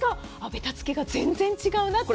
べたつきが全然違うなって。